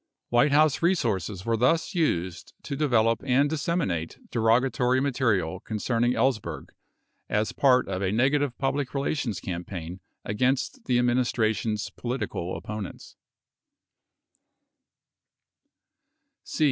124 White House resources were thus used to develop and disseminate derogatory material concerning Ellsberg as part of a negative public relations campaign against the administration's political opponents.